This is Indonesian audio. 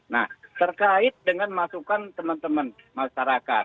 nah terkait dengan masukan teman teman masyarakat